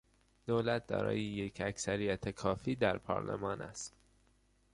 دولت دارای یک اکثریت کافی در پارلمان است.